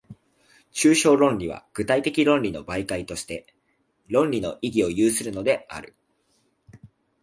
抽象論理は具体的論理の媒介として、論理の意義を有するのである。